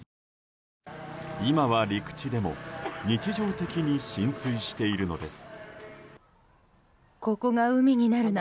今は陸地でも日常的に浸水しているのです。